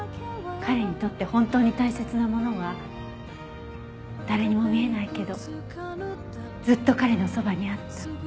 彼にとって本当に大切なものは誰にも見えないけどずっと彼のそばにあった。